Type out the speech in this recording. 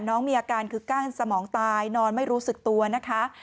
น้องมีอาการคือกั้นสมองตายนอนไม่รู้สึกตัวนะคะ